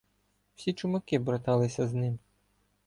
Всі чумаки братались з ним.